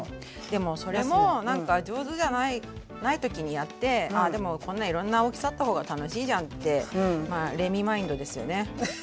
でもそれも上手じゃない時にやってああでもこんないろんな大きさあった方が楽しいじゃんってまあレミマインドですよね。